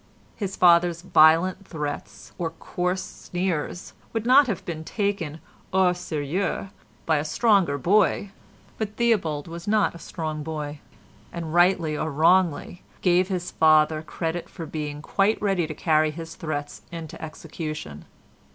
His father's violent threats, or coarse sneers, would not have been taken au sérieux by a stronger boy, but Theobald was not a strong boy, and rightly or wrongly, gave his father credit for being quite ready to carry his threats into execution.